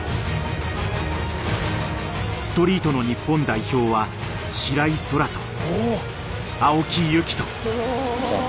ストリートの日本代表は白井空良と青木勇貴斗。